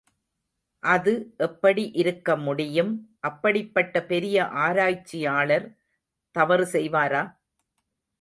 அது எப்படி இருக்க முடியும் அப்படிப்பட்ட பெரிய ஆராய்ச்சியாளர் தவறு செய்வாரா?